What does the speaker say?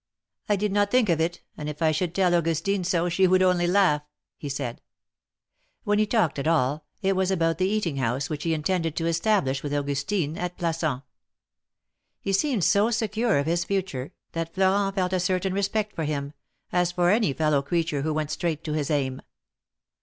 I did not think of it, and if I should tell Augustine so, she would only laugh,^^ he said. When he talked at all, it was about the eating house which he intended to establish with Augustine at Plassans. He seemed so secure of his future, that Florent felt a certain respect for him, as for any fellow creature who went straight to his aim.